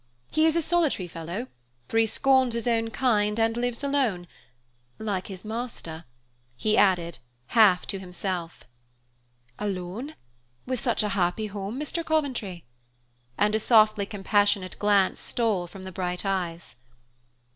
He is a solitary fellow, for he scorns his own kind and lives alone, like his master," he added, half to himself. "Alone, with such a happy home, Mr. Coventry?" And a softly compassionate glance stole from the bright eyes.